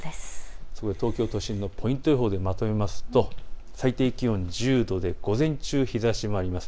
東京都心のポイント予報でまとめますと最低気温１０度で午前中、日ざしはあります。